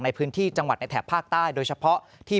ในพื้นที่จังหวัดในแถบภาคใต้โดยเฉพาะที่